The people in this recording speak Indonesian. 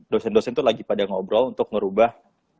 dosen dosen tuh lagi pada ngobrol untuk merubah